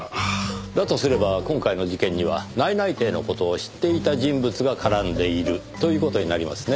だとすれば今回の事件には内々定の事を知っていた人物が絡んでいるという事になりますねぇ。